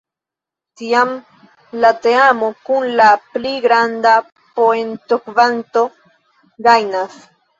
Tiam la teamo kun la pli granda poentokvanto gajnas.